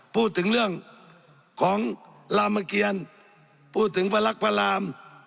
พูดถึงเรื่องของรามเกียรพูดถึงพระลักษณ์พระราม